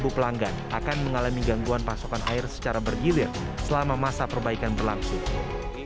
pelanggan akan mengalami gangguan pasokan air secara bergilir selama masa perbaikan berlangsung